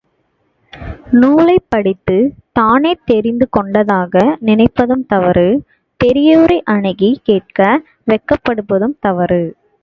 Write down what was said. நூலைப் படித்துத் தானே தெரிந்து, கொண்டதாக நினைப்பதும் தவறு, பெரியோரை அணுகிக கேட்க வெட்கப்படுவதும் தவறு.